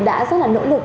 đã rất là nỗ lực